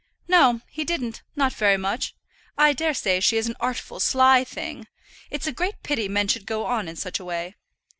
"No, he didn't; not very much. I daresay she is an artful, sly thing! It's a great pity men should go on in such a way."